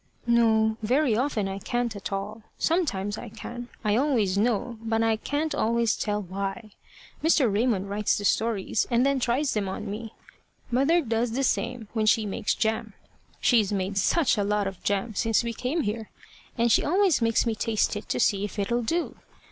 "No. Very often I can't at all. Sometimes I can. I always know, but I can't always tell why. Mr. Raymond writes the stories, and then tries them on me. Mother does the same when she makes jam. She's made such a lot of jam since we came here! And she always makes me taste it to see if it'll do.